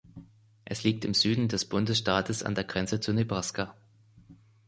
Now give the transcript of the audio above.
Es liegt im Süden des Bundesstaates an der Grenze zu Nebraska.